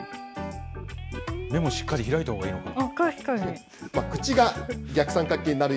目もしっかり開いたほうがいいのかな。